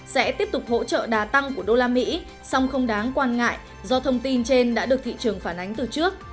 sẽ tiếp tục hỗ trợ đà tăng của đô la mỹ song không đáng quan ngại do thông tin trên đã được thị trường phản ánh từ trước